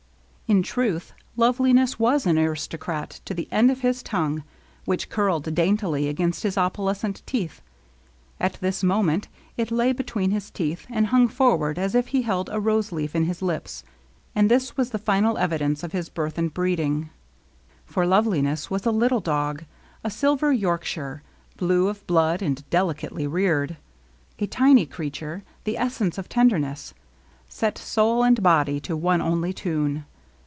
In truth^ Loveliness was an aristocrat to the end of his tongue^ which curled daintily against his opalescent teeth. At this mo ment it lay between his teeth, and hung forward as if he held a roseleaf in his lips ; and this was the final evidence of his birth and breeding. For LoveliQess was a little dog ; a silver York shire, blue of blood and delicately reared, — a tiny creature, the essence of tenderness; set, soul and body, to one only tune.